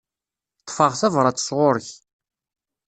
Ṭṭfeɣ tabrat sɣur-k.